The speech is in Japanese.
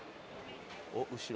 おっ後ろ。